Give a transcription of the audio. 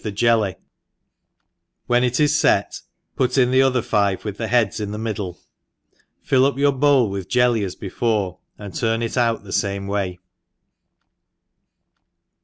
the jelly, when it is fet put the other 6ye with the heads in the ihiddle, fiU up your bowl with jelly as before, md turn it out the fame way.